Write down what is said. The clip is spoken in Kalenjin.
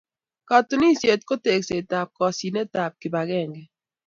Katunisyet ko tekseetab kosyinetab kibagenge.